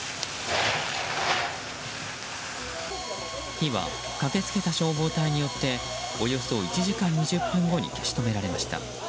火は駆けつけた消防隊によっておよそ１時間２０分後に消し止められました。